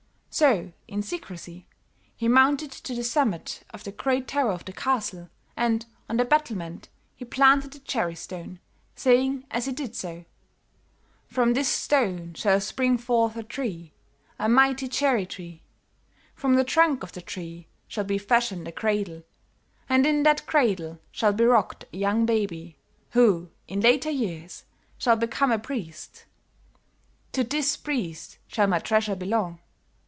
So, in secrecy, he mounted to the summit of the great tower of the castle and on the battlement he planted a cherry stone, saying, as he did so: "'From this stone shall spring forth a tree; a mighty cherry tree; from the trunk of the tree shall be fashioned a cradle; and in that cradle shall be rocked a young baby, who, in later years, shall become a priest. To this priest shall my treasure belong.